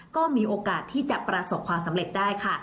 ก็มีโอกาสที่จะประสบความสำเร็จได้ค่ะ